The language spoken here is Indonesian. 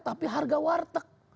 tapi harga warteg